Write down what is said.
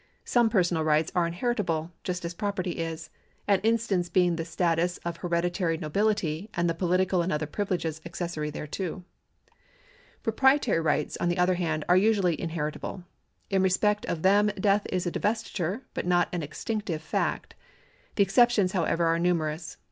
Some personal rights are inherit able, just as property is, an instance being the status of hereditary nobility and the political and other privileges accessory thereto. Proprietary rights, on the other hand, are usually in heritable. In respect of them death is a divestitive, but not an extinctive fact. The exceptions, however, are numerous.